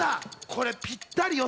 これ、ぴったりよ。